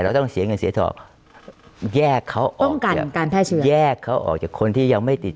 ต้องเสียเงินเสียทองแยกเขาป้องกันการแพร่ชีวิตแยกเขาออกจากคนที่ยังไม่ติด